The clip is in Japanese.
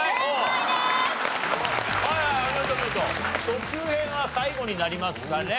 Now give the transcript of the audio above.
初級編は最後になりますかね。